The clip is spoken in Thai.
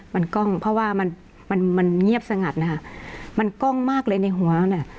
มันกล้องเพราะว่ามันมันเงียบสงัดนะคะมันกล้องมากเลยในหัวเนี่ย